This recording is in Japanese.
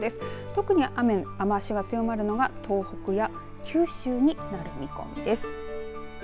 特に雨足が強まるのは東北や九州になる見込みです。